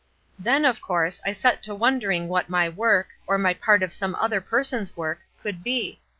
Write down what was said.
Then, of course, I set to wondering what my work, or my part of some other person's work, could be.